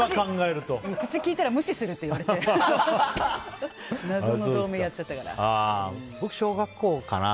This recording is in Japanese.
口きいたら無視するって言われて僕、小学校かな。